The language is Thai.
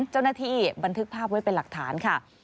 เจ้าหน้าที่บันทึกภาพไว้เป็นหลักฐานค่ะ